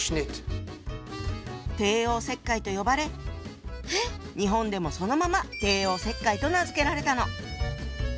「帝王切開」と呼ばれ日本でもそのまま「帝王切開」と名付けられたの。